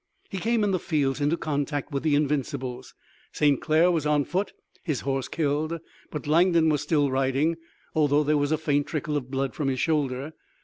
He came in the fields into contact with the Invincibles. St. Clair was on foot, his horse killed, but Langdon was still riding, although there was a faint trickle of blood from his shoulder.